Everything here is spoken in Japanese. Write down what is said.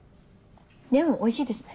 でもおいしいですね。